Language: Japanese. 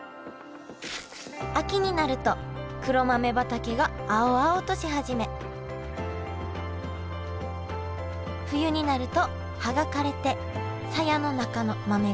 秋になると黒豆畑が青々とし始め冬になると葉が枯れてさやの中の豆が黒く熟します。